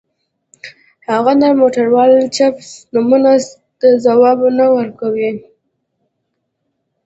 هغه د موټورولا چپس نومونو ته ځواب نه ورکوي